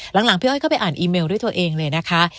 หลังพี่อ้อยเข้าไปอ่านอีเมลด้วยตัวเองเลยนะคะ